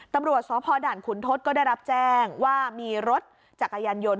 ตำรวจสพด่านขุนทศก็ได้รับแจ้งว่ามีรถจักรยานยนต์